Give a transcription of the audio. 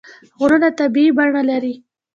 غرونه طبیعي بڼه لري.